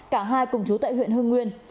cả hai cùng chú tại huyện hưng nguyên